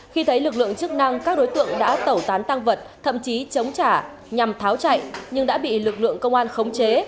khi thấy lực lượng chức năng các đối tượng đã tẩu tán tăng vật thậm chí chống trả nhằm tháo chạy nhưng đã bị lực lượng công an khống chế